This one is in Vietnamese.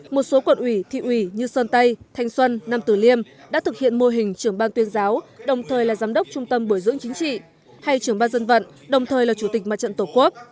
một số quận ủy thị ủy như sơn tây thanh xuân nam tử liêm đã thực hiện mô hình trưởng ban tuyên giáo đồng thời là giám đốc trung tâm bồi dưỡng chính trị hay trưởng ban dân vận đồng thời là chủ tịch mặt trận tổ quốc